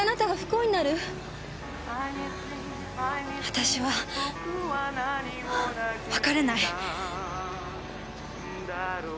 私は別れない。